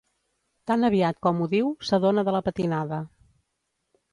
Tan aviat com ho diu s'adona de la patinada.